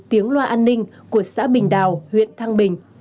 tiếng loa an ninh của xã bình đào huyện thăng bình